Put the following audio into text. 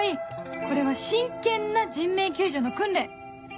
これは真剣な人命救助の訓練